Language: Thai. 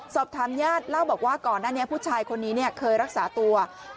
สอบถามญาติเล่าบอกว่าก่อนหน้านี้ผู้ชายคนนี้เคยรักษาตัว